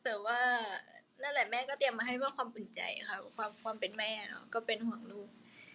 แต่ว่านั่นแหละแม่ก็เตรียมมาให้เพื่อความอุ่นใจค่ะความเป็นแม่ก็เป็นห่วงลูก